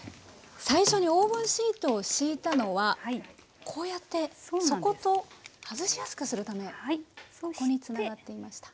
最初にオーブンシートを敷いたのはこうやって底と外しやすくするためそこにつながっていました。